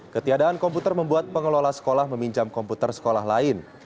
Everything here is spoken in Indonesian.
ketiadaan komputer membuat pengelola sekolah meminjam komputer sekolah lain